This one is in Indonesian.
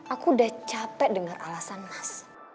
aku udah capek dengan alasan mas